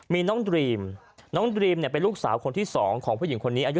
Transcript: มีนดรีมน้องดรีมเป็นลูกสาวคนที่๒ของผู้หญิงอายุ๑๕ปีแล้ว